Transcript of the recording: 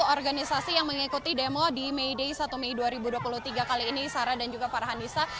organisasi yang mengikuti demo di may day satu mei dua ribu dua puluh tiga kali ini sarah dan juga farhanisa